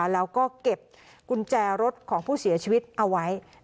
แล้วก็เก็บกุญแจรถของผู้เสียชีวิตเอาไว้